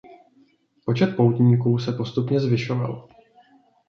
Počet poutníků se postupně zvyšoval.